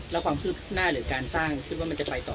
แล้วความคืบหน้าหรือการสร้างคิดว่ามันจะไตรต่อ